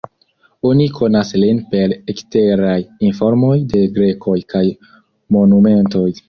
Oni konas lin per eksteraj informoj de grekoj kaj monumentoj.